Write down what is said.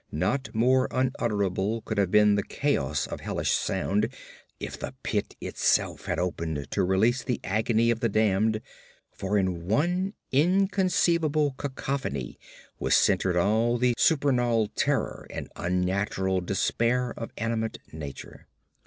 Not more unutterable could have been the chaos of hellish sound if the pit itself had opened to release the agony of the damned, for in one inconceivable cacophony was centred all the supernal terror and unnatural despair of animate nature.